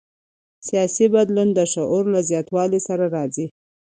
سیاسي بدلون د شعور له زیاتوالي سره راځي